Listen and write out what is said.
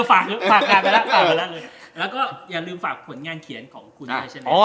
เออฝากกันแล้วแล้วก็อย่าลืมฝากผลงานเขียนของคุณเลยใช่ไหม